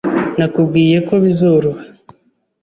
Nakubwiye ko bizoroha.